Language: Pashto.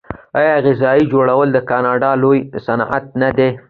آیا کاغذ جوړول د کاناډا لوی صنعت نه دی؟